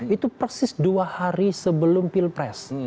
itu persis dua hari sebelum pilpres